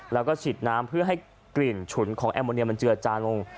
แล้วก็ฉีดน้ำเพื่อให้กลิ่นฉุนของแอมโมเนียมันเจือจานลง